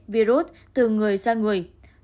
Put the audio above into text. virus từ người sang người